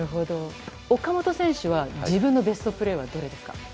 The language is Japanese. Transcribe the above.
岡本選手は自分のベストプレーはどれですか？